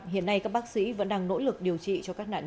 hiện nay các bác sĩ vẫn đang nỗ lực điều trị cho các nạn nhân